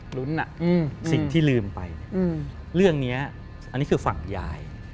อเจมส์อคุณภาควรรุนอ่ะสิ่งที่ลืมไปเรื่องนี้อันนี้คือฝั่งยาย